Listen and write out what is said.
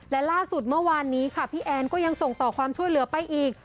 และล่าสุดเมื่อวานนี้ค่ะพี่แอนก็ยังส่งต่อความช่วยเหลือไปอีก